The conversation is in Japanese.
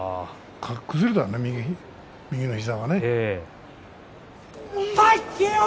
崩れたね、右の膝が。